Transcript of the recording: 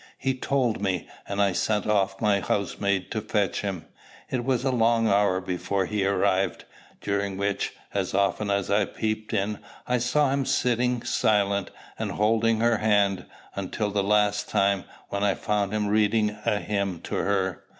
He told me, and I sent off my housemaid to fetch him. It was a long hour before he arrived; during which, as often as I peeped in, I saw him sitting silent, and holding her hand, until the last time, when I found him reading a hymn to her.